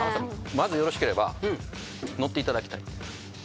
まずよろしければ乗っていただきたい。